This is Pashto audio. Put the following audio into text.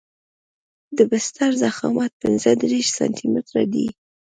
د بستر ضخامت پنځه دېرش سانتي متره دی